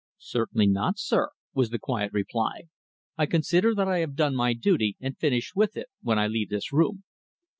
"Certainly not, sir," was the quiet reply. "I consider that I have done my duty and finished with it, when I leave this room."